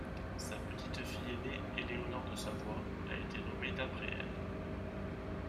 Sa petite-fille aînée, Éléonore de Savoie, a été nommé d'après elle.